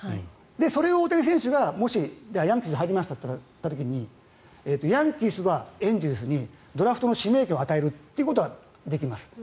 それを大谷選手がもしヤンキースに入りますとなったらヤンキースはエンゼルスにドラフトの指名権を与えるということができます。